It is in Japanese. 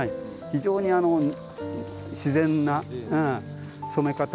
非常に自然な染め方。